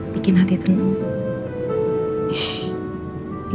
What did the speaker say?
bikin hati tenang